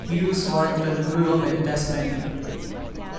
Hughes-Warrington grew up in Tasmania.